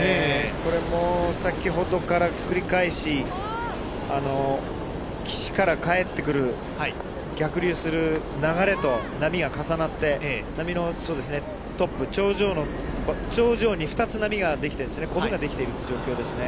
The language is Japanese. これも先ほどから繰り返し、岸から帰ってくる逆流する流れと波が重なって、波のトップ、頂上に２つ波が出来ている、こぶが出来ているという状況ですね。